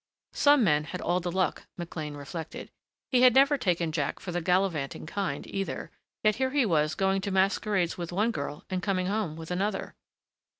Some men had all the luck, McLean reflected. He had never taken Jack for the gallivanting kind, either, yet here he was going to masquerades with one girl and coming home with another....